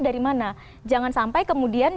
dari mana jangan sampai kemudian